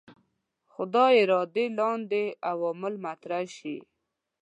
خدای ارادې لاندې عوامل مطرح شي.